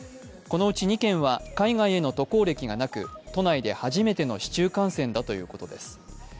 このうち２件は海外への渡航歴がなく、都内で初めての市中感染だということです。